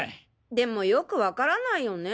でもよく分からないよね